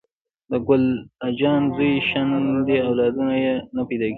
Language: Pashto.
د ګل اجان زوی شنډ دې اولادونه یي نه پیداکیږي